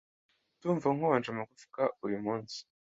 Ndumva nkonje amagufwa uyumunsi.